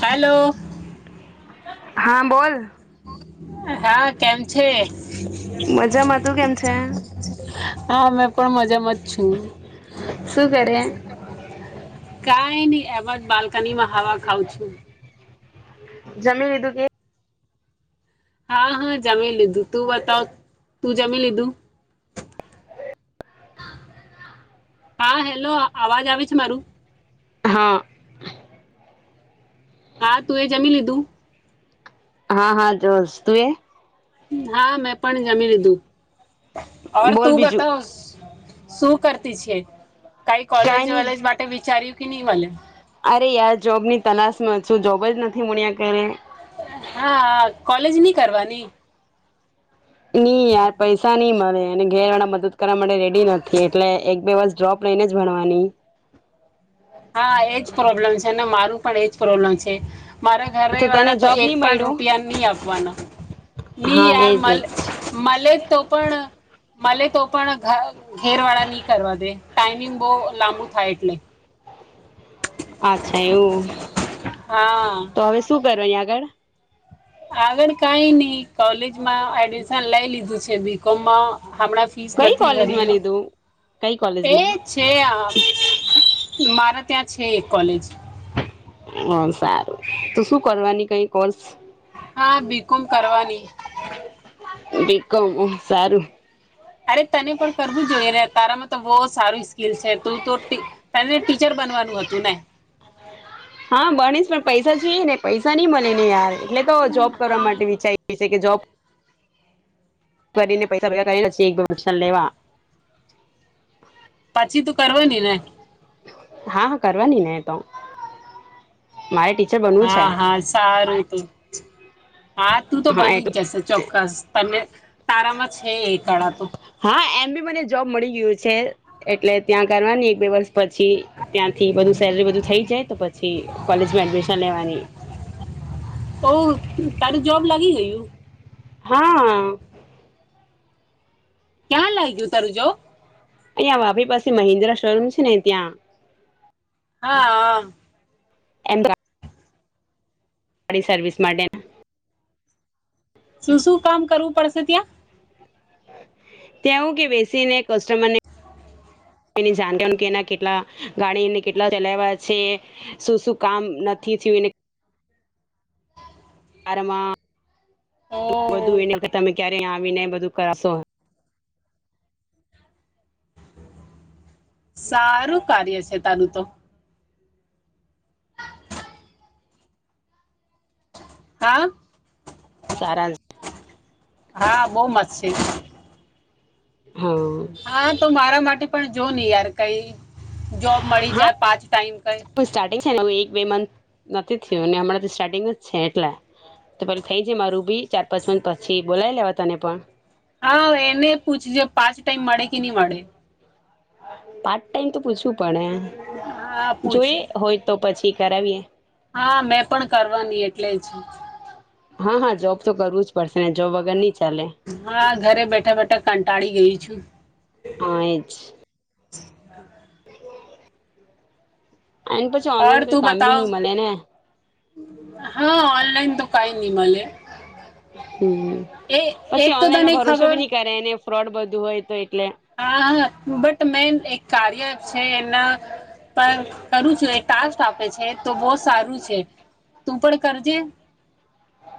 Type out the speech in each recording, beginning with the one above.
Hello [unintelligible] હા બોલ. હા કેમ છે મજામાં તું કેમ છે હા અમે પણ મજામાં જ છું શું કરે કઈ નહી આ. બલ. [unintelligible] કનીમાં હાવા ખાવાં છું. જમીન લીધું કે. હા હા જમી લીધું તું બતાવ તું જમી લીધું હા હેલો અવાજ આવે છે મારું. હા [unintelligible] હા તું એ જમી લીધું. હા હા જો તું એ. હા મેં પણ જમી લીધું. [unintelligible] બોલ તું બીજું બતાવશ શું કરતી છે કઈ કોલેજ વલેજ માટે વિચાર્યું કે નહી મલે અરે યાર જોબની તલાશમાં છું જોબ જ નથી મળ્યા કરરે હા કોલેજ ની કરવાની નઈ યાર પૈસા નઈ મળે અને ઘેર વાળા મદદ કરવા માટે રેડી નથી એટલે એક બે વર્ષ ડ્રોપ લઈને જ ભણવાની હા એજ પ્રોબ્લેમ છે અને મારું પણ એજ પ્રોબ્લેમ છે મારા ઘરે તને વાળા તો જોબ એક નહી પણ મળ્યું રૂપિયા નહી આપવાના નહી હા યાર એજ એજ મલે તો પણ મલે તો પણ ઘેર વાળા નહી કરવા દે ટાઈમિંગ બહુ લાંબુ થાય એટલે અચ્છા એવું હા તો હવે શું કરવા અહીંયા આગળ આગળ કાંઈ નઈ કોલેજમાં એડમિશન લઈ લીધું છે બી કોમમાં હમણાં ફીસ કઈ નથી કોલેજમાં ભર્યું લીધું કઈ એ કોલેજમાં છે આ મારાત ત્યાં છે એક કોલેજ હ સારું તો શું કરવાની કઈ કોર્ હા બીકોમ કરવાની [unintelligible] સારું અરે તને પણ કરવું જોઈએને તારામાં તો બોહ સારું સ્કીલ છે તું તો તને ટીચર બનવાનું હતું ને હા ભણીશ પણ પૈસા જોઈએ ને પૈસા નઈ મળે ને યાર એટલે તો જોબ કરવા માટે વિચારી છે કે જોબ કરીને પૈસા ભેગા કરી એકસન લેવા પછી તું કરવા ની ને હા હા કરવાની ને તો મારે ટી હા હા સારું તું હા તું તો હા બની એટલે જ જશે ચોક્કસ તને તારામાં છે એ કળા તો હા એમ બી મને જોબ મળી ગિયું છે એટલે ત્યાં કરવાની એક બે વરસ પછી ત્યાંથી બધું સેલરી બધું થઈ જાય તો પછી કોલેજમાં એડમિશન લેવાની ઓ તારું જોબ [inaudible] હા ક્યાં લાગ્યું તરું જોબ અહીં આપણી પાસે મિન્દ્રા શોરૂમ છે ને ત્યાં હા હ [unintelligible] ગાડી સર્વિસ માટે શું શું કામ કરવું પડશે ત્યાં ત્યાં હું કે બેસીને કસ્ટમરનેણ કે એને જાન વાનું અને કેટલા ગાડીને કેટલા ચલાવા છે શું શું કામ નથી થિયું કાર માં ઓ બધું એને તમે ક્યારે આવી ને બધું કરાવશો. સારું કાર્ય છે તારું તો. હા સારા [unintelligible] હા બહ મસ્ત છે. હા હા તો મારા માટે પણ જો નહી યાર. કઈ [unintelligible] જોબ મળી જાય પાંચ ટાઈમ ક. હ એક બે મંથ નથી થયું અને હમણાં તો સ્ટાર્ટિંગ જ છે એટલા તો પે થઈ જાય મા રું બી ચાર પાંચ મ પછી બોલાવી લેવા તને પણ. હા એને પૂછજ પાંચ ટાઈમ મળે. કિની મળે. પાર્ટ ટાઈમ તો પૂછવ. હા પણણે જોઈએ પૂછું હોય તો પછી. કરાવી એ. હા મેં પણ કરવાની એટલે જ હા હા જોબ તો કરવું જ પડશે ને જોબ વગર ની. હા ઘરે બેઠા બેઠા કંટાળી. લ છું. [unintelligible] હા એજ. હ અને પછી ઓનલાઈન કોઈ તું કામ બી બતાવ નહીં મળે ને હા ઓનલાઈન તો કઈ ન મળે. એ હ પછી એક તો ઓનલાઈનમાં તને ભરોસો ખબર બી ન કરેને. ફ્રોડ બધું હોય તો એટલે. હા હા બટ મે એક કાર્ય છે એના પર કરું છું એક ટાસ્ક આપે છે તો બહ સારું છે તું પણ કરજે.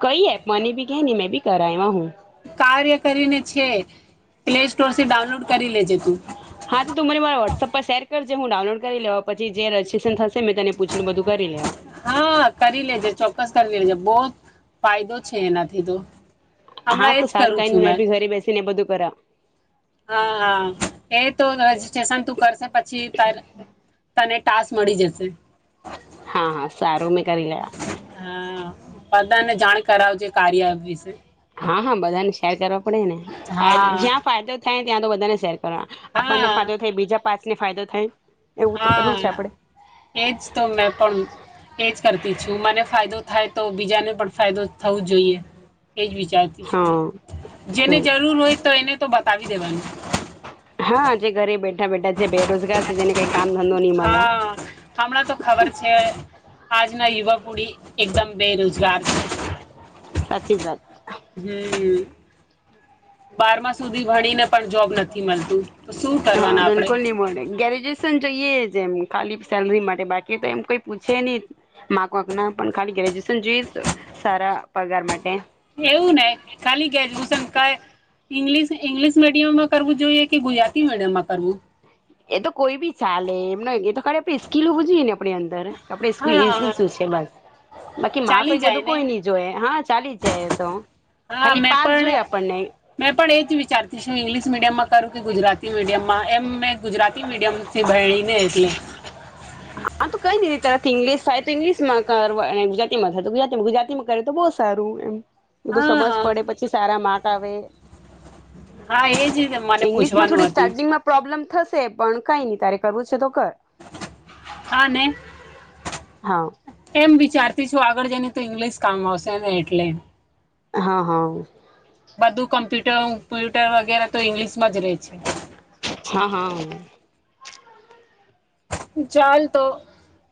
કઈ એ મને બી કે મેં બી. કરાાયમાં હું. કાર્ય કરીને છે. પ્લે સ્ટોર થી ડાઉનલોડ કરી લેજે તું. ર જે હું ડાઉનલોડ કરી લેવા પછી જે રજીસ્ટ્રેશન થશે મેં તેને પૂછીને બધું કરી લેવા. હા કરી લેજે ચોક્કસ કરી લેજે બહુ ફાયદો છે એનાથી તો. હા હમણાં એજ તો સારું કરું કઈ છું મે મેં બી ઘરે બેસીને બધું કરા હા હા એ તો રજીસ્ટ્રેશન તું કરશે પછી ત. તને ટાસ મળી જશે. હા હા સારો મે. કરંગ. [unintelligible] બધને જાણ કરાવજ કાર્ય વિશે. હા હા બધા ને શેર કરો. કડેને હા જ્યાં ફાયદો. થાય ત્યાં તો વધારે શે પણ આપણને હા ફાયદો થાય બીજા પાસ ને ફાયદા થાય એવું તો કરવું છે હા આપડે એજ તો મેં પણ એજ કરતી છું મને ફાયદો થાય તો બીજાને પણ ફાયદો થવું જોઈએ એ જ વિચારતી છું હા હ જેને જરૂર હોય તો એને તો બતાવી દેવાનુ હા જે ઘરે બેઠા બેઠા જે બેરોજગાર છે જેને કઈ કામ ધંધો નહી મળે હા હમણાં તો ખબર છે આજના યુવક પુડી એકદમ બેરોજગાર છે સાચી જ વાત હમ બારમા સુધી ભણીને પણ જોબ નથી મળતું તો શું હા કરવાના આપણે બિલકુલ ની મલે ગ્રેજ્યુએશન જોઈએ જેમ ખાલી સેલરી માટે બાકી તો એમ કોઈ પૂછે ની માક વાંક ના પણ ખાલી ગ્રેજ્યુએશન જોઈશ સારા પગાર માટે એવું ને ખાલી ગ્રેજ્યુએશન કાઇ ઇંગ્લિશ ઈંગ્લિશ મીડિયમમાં કરવું જોઈએ કે ગુજરાતી મીડિયમમાં કરવું એ તો કોઈ બી ચાલે એમ નહીં એ તો ખરેે સ્કીલ હોવી જોય ને આપણી અંદર આપડે ઈસ્ત્રી સ્કીલ હા એ છે બસ બાકી માં ચાલી કોઈ જાય બધું ને કોઈ નઈ જોય હા ચાલી જાયે એ તો હા ખાલી મેં પાસ પણ જોઈ આપણને મેં પણ એ જ વિચારતી છું ઇંગ્લિશ મીડિયમમાં કરું કે ગુજરાતી મીડિયમ માં એમ મે ગુજરાત તી મીડિયમથી ભયણીને એટલે આ તો કઈ દીધી તાર ઇંગ્લિશ થાય તો ઇંગ્લિશમાં કરવા ગુજરાતીમાં થાય તો ગુજરાતીમાં ગુજરાતી માં કરે તો બો સારું એમ બધું સમજ હા પડે પછી સારા માર્ક આવે હા એ જ મને ઇંગ્લિશમાં પૂછવાનું થોડી હતું સ્ટાર્ટિંગમાં પ્રોબ્લેમ થશે પણ કઈ ની તારે કરવું છે તો કર હાને હા એમ વિચારતી છું આગળ જઈને તો ઈગ્લીિશ કામ આવસે ને એટલે હા હા બધું કમ્પ્યુટરમ્પ્યુટર વગેરે તો ઇંગ્લિશમાં જ રે છે. હા હા ચાલ તો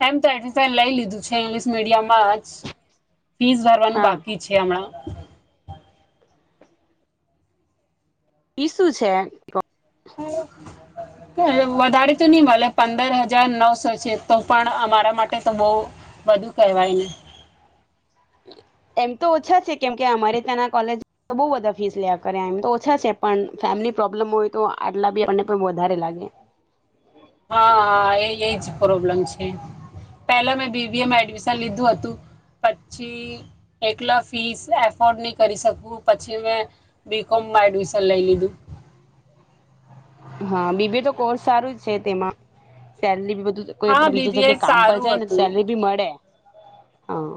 એમ તો એડમિસન લઈ લીધું છે ઇંગ્લિશ મીડિયમમાં જ ફીસ ભરવાનું હા બાકી છે હમણાં [inaudible] ઈ શું છે ક વધારે તો ની ભલે પંદર હજાર નવસો છે તો પણ અમારા માટે તો બો વધુ કેવાય ને એમ તો ઓછા છે કેમ કે અમારે ત્યાંના કોલેજ બો બધા ફીસ લેયા કરે એમ તો ઓછા છે પણ ફેમિલી પ્રોબ્લેમ હોય તો આટલા બી આપણને પણ વધારે લાગે હા હા, એ એજ પ્રોબ્લેમ છે, પેલા મેં બી બીએમાં એડમિશન લીધું હતું પછી એકલા ફીસ એફોર્ડ ની કરી શકવું, પછી મેં બી કોમમાં એડમિશન લઈ લીધું. હા, બીબીએ તો કોર્સ સારું જ છે તેમાં સેલરી બ દુદ હા કોઈપડે બીજે બીબીએ જગ્યાએ કામ પર સારું જાય ને તો હતું સેલરી બી મળે. હા.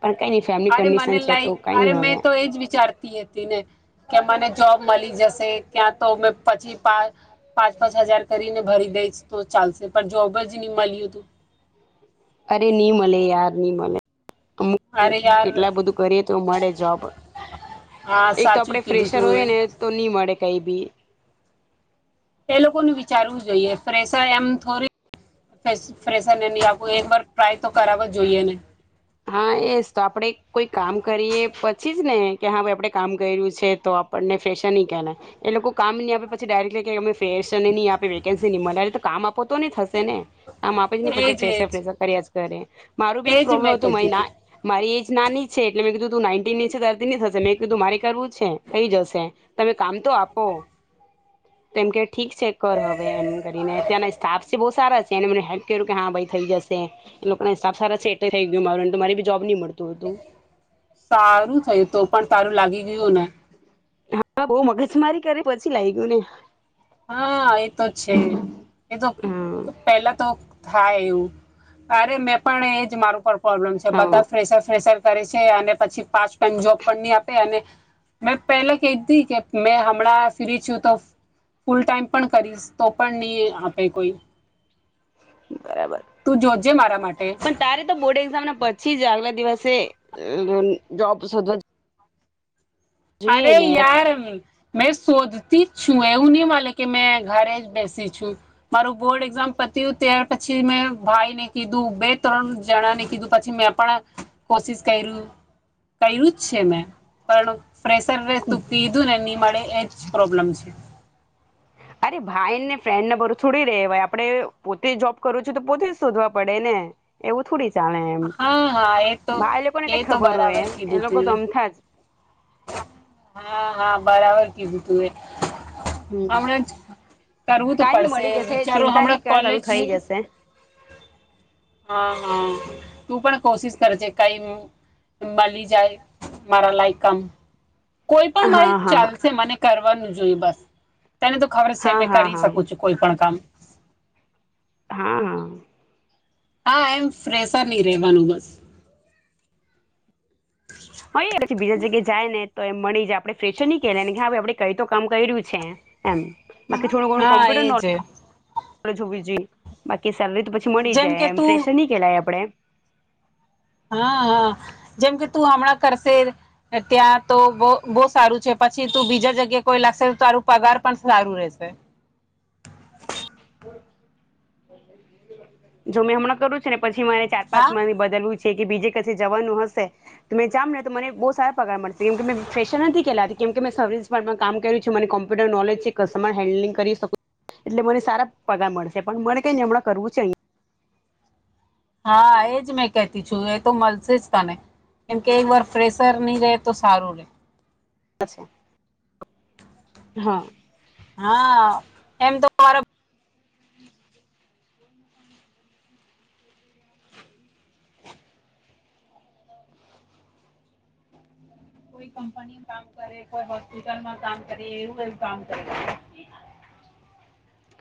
પણ કઈ નઈ ફેમિલી અરે, મને કન્ડિશન છે લાઈ તો કઈ અરે નઈ મેં હવે તો એજ વિચારતી હતી ને કે મને જોબ મલી જશે ત્યાં તો મે પછી પા પાંચ પાંચ હજાર કરીને ભરી દઈશ તો ચાલશે પણ જોબ જ નહી મલ્યુ તું અરે, ની મલે યાર ની મલે. કમુક એમ અરે યાર કેટલા બધું કરીએ તો મળે જોબ હા એક તો આપડે સાચું કીધું ફ્રેશર તું હોય એ ને તો ની મળે. કઈબી એ લોકોનું વિચારવું જોઈએ ફેશર એમ થોરી ફ્રેશ ફેશરને ની આપું એક વાર ટ્રાય તો કરાવો જ જોઈએ એને. હા, એજ તો આપડે કોઈ કામ કરીએ પછી જ ને કે હા ભાઈ આપડે કામ કયરૂ છે, તો આપણને ફેશન નહી કેઆના એ લોકો કામ ની આપે પછી ડાયરેક્ટલી કે અમે ફેશનને ની આપે વેકેન્સી ની મલે અરે તો કામ આપો તો ની થશ છે ને આમ આપે જ ની પછી એજ ફેશર એજ ફેશર કરી એસ કરે મારો બી એજ પ્રોબ્લ તજી હતી મારી એજ નાની છે, એટલે મેં કીધું તું નાયન્ટીન છે તો એ ધીમે થશે મેં કીધું મારે કરવું છે થઈ જશે. તમે કામ તો આપો કેમ કે ઠીક છે કર હવે એમ કરીને ત્યાંના સ્ટાફ છે બહું સ સારા છે, એને મને હેલ્પ કર્યું કે હા ભાઈ થઈ જશે એ લોકોના હિસાબ સારા છે એટલે થઈ ગ ને મારુંન તો મારી બી જોબ ની મળી. સારું થયું તો પણ તારું લાગી નિયો ને હા, બઉ મગજમારી કરી પછી લાયગુ ને. હા, એ તો છે એ તો હા પેલા તો થાય એવું અરે મેં પણ એજ મારું પર પ્રોબ્લેમ છે હા બધા જ ફ્રેશર ફેશર કરે છે અને પછી પાચ ટાઈમ જોબ પણ ની આપે અને મેં પેલા કેતી કે મેં હમણાં ફ્રી છું તો ફૂલ ટાઈમ પણ કરીશ તો પણ ની આપે કોઈ. બરાબર, તું જોજે મારા માટે પણ તારે તો બોર્ડ એક્ઝામના પછી જ આલે દિવસે [unintelligible] જોબ શોધવા જોઈએ અરેે ને યાર મ મેં સોધ તીચ્ છું ઉની વાલે કે મેં ઘરે જ બેસી છું મારું બોર્ડ એક્ઝામ પતું ત્યાર પછી મેં ભાઈ ને કીધું બે ત્રણ જણા ને કીધું પછી મેં પણ કોશિશ કર્યું કર્યું જ છે મેં. પણણું ફ્રેસર કીધું ને નઈ મળે એજ પ્રોબ્લેમ છે. [inaudible] અરે ભાઈ ને ફ્રેન્ડ ના બરું થોડી રેવાય આપડે પોતે જોબ કરું છું તો પોતે શોધવા પડે ને એવું થોડી ચાણે એમ હા હા તો ભાઈ એ લોકોને કઈ તો ખબર હોય બરાબર કીધું એ લોકો તું તોમતા જ હા હા બરાબર કીધું. હમ કરું તો કઈ નઈ પસે મળી જશે વિચારો ચિંતા નહી કર તારું કલેજ છે થઈ જશે હ હ તું પણ કોશિશ કરજ કઈ મળી જાય મારા લાયક કામ કોઈ પણ મારી હા હા ચાલશે મને કર કરવાનું જોઈ બસ. તને તો ખબર છે હા મે હા કરી હા શકું છું કોઈ પણ કામ હા હા. હા એમ ફ્રેસર નહી રેવાનું બસ. હ પછી બીજા જગ્યા જાય ને તો એમ મળી જાય આપણે ફેશર નહી કેલાને હા ભાઈ આપણે કઈ તો કામ કર્યું છે. એમ હા એજ. જોવી જોઈએ. કે સેલરી તો પછી મળી જેમ કે જાય એમ તું ફ્રેશર નહી કેહેલાય આપડે. હા હા જેમ કે તું હમણાં કરશે ત્યાં તો બહુ સારું છે પછી તું બીજા જગ્યા કોઈ લાગશે તારું પગાર પણ સારું રહેશે. જો મે હમણાં કરું છે ને. પછી મારે ચાર પાંચ હા માં બદલવું છે કે બીજે કસે જવાનું હશે તો મેં જામ ને તો મને બહુ સારા પગાર મળશે કેમ કે મેં ફેશર નથી કેલાતી કેમ કે મેં સર્િસિાર્ટમાં કામ કર્યું છે મને કોમ્પ્યુટર નોલેજ છે કસ્ટમર હેન્ડલિંગ કરી શકું એટલે મને સારા પગાર મળશે પણ મ કઈ હમણાં કરવું છે અહીંયા હા એજ મેં કતી છું એ તો મળશે જ કને કેમકે એક વાર પ્રેશર નહી રે તો સારું રે. હા. હા એમ તો મારે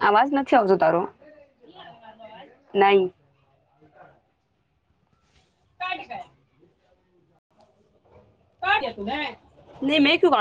અવાજ નથી આવજો તારો નઈ. નઈ મેં ક્યુ બા